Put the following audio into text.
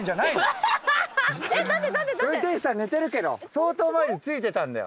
相当前に着いてたんだよ。